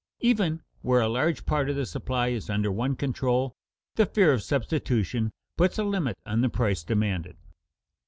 Even where a large part of the supply is under one control, the fear of substitution puts a limit on the price demanded.